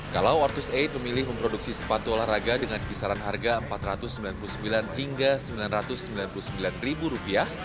kalau ortus delapan memilih memproduksi sepatu olahraga dengan kisaran harga rp empat ratus sembilan puluh sembilan rp sembilan ratus sembilan puluh sembilan